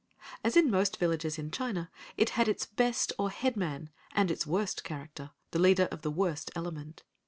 As in most villages in China it had its best, or head man, and its worst character—the leader of the worst element.